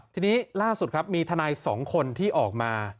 ทีนี้ล่าสุดครับมีทนาย๒คนที่ออกมา